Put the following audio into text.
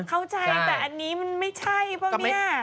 เข้าใจแต่อันนี้มันไม่ใช่ป่ะเนี่ย